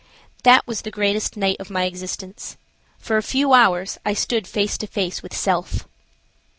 That was the greatest night of my existence. For a few hours I stood face to face with "self!"